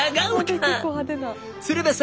結構派手な。